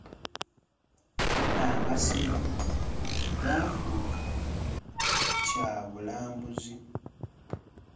Amasiro gaafuuka kya bulambuzi.